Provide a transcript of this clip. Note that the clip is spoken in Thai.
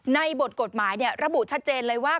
บทกฎหมายระบุชัดเจนเลยว่า